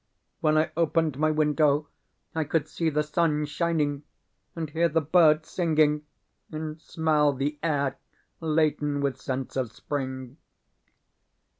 When I opened my window I could see the sun shining, and hear the birds singing, and smell the air laden with scents of spring.